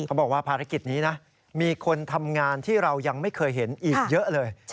บอกว่าภารกิจนี้นะมีคนทำงานที่เรายังไม่เคยเห็นอีกเยอะเลย